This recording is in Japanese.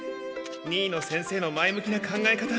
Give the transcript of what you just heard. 新野先生の前向きな考え方